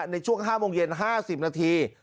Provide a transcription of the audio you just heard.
ในช่วง๕โมงเย็น๕๐นาที